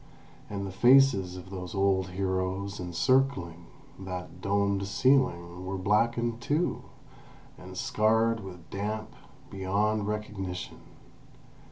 And the faces of those old heroes encircling that domed ceiling were blackened too, and scarred with damp, beyond recognition.